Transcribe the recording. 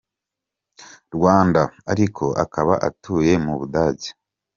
Rwanda ariko akaba atuye mu Budage.